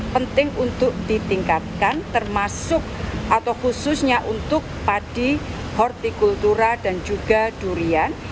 penting untuk ditingkatkan termasuk atau khususnya untuk padi hortikultura dan juga durian